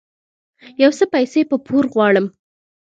يو څه پيسې په پور غواړم